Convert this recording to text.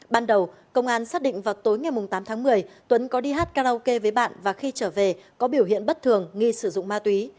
ban đầu công an xác định vào tối ngày tám tháng một mươi tuấn có đi hát karaoke với bạn và khi trở về có biểu hiện bất thường nghi sử dụng ma túy